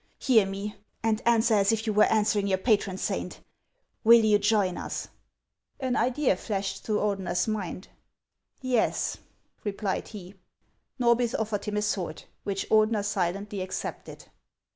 Hear me, and answer as if you were answering your patron saint. Will you join us ?" An idea flashed through Ordeuer's mind. " Yes," replied he. Norbith offered him a sword, which Ordener silently accepted.